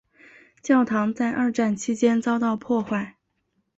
教堂在二战期间遭到破坏。